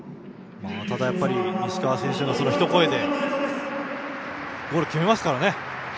ただ、やっぱり西川選手の一声でゴール決めますからね。